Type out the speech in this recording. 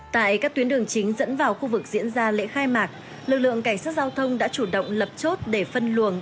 tại các tuyến đường chính dẫn vào khu vực diễn ra lễ khai mạc lực lượng cảnh sát giao thông đã chủ động lập chốt để phân luồng